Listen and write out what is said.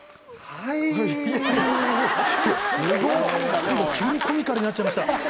最後急にコミカルになっちゃいました。